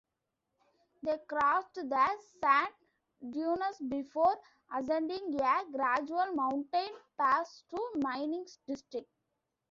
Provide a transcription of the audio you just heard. They crossed the Sand Dunes before ascending a gradual mountain pass to Mining District.